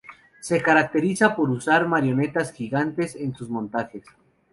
Se caracteriza por usar marionetas gigantes en sus montajes.